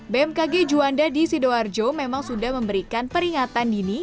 bmkg juanda di sidoarjo memang sudah memberikan peringatan dini